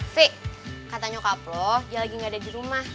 vy kata nyokap lo dia lagi gak ada di rumah